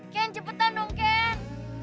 ken cepetan dong ken